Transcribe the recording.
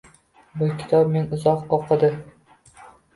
Bu kitob meni uzoq o’qidi